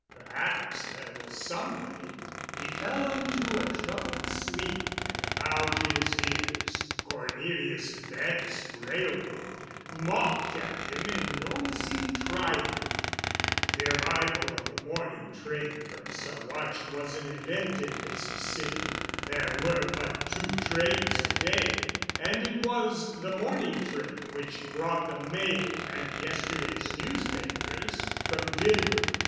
Perhaps there was some way. He fell into a troubled sleep, and about his ears Cornelius Bent's railroad mocked at him in noisy triumph. The arrival of the morning train from Saguache was an event in Mesa City. There were but two trains a day, and it was the morning train which brought the mail and yesterday's newspapers from Denver.